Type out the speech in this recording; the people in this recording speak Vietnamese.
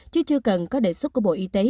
chứ chưa cần có đề xuất của bộ y tế